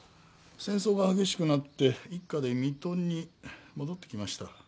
戦争が激しくなって一家で水戸に戻ってきました。